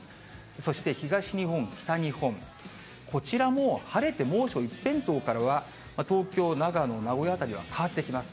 そして東日本、北日本、こちらも晴れて、猛暑一辺倒からは、東京、長野、名古屋辺りは変わってきます。